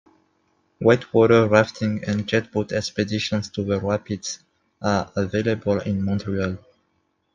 Whitewater rafting and jet boat expeditions to the rapids are available in Montreal.